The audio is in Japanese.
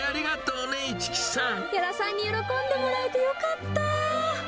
屋良さんに喜んでもらえてよかった。